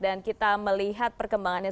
dan kita melihat perkembangannya